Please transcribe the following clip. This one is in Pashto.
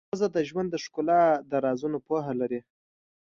ښځه د ژوند د ښکلا د رازونو پوهه لري.